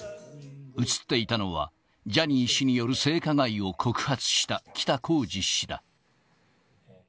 写っていたのは、ジャニー氏による性加害を告発した北公次氏だ。